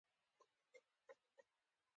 زاړه کسان د کورنۍ د غړو ترمنځ مینه راولي